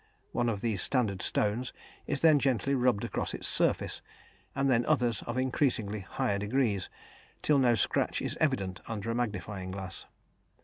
One of these standard stones is then gently rubbed across its surface and then others of increasingly higher degrees, till no scratch is evident under a magnifying glass.